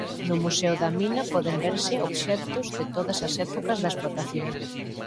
No Museo da Mina poden verse obxectos de todas as épocas da explotación.